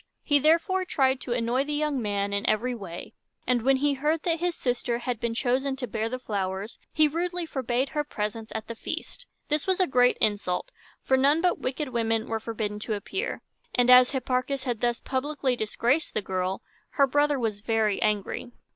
He therefore tried to annoy the young man in every way; and when he heard that his sister had been chosen to bear the flowers, he rudely forbade her presence at the feast. This was a great insult, for none but wicked women were forbidden to appear; and, as Hipparchus had thus publicly disgraced the girl, her brother was very angry.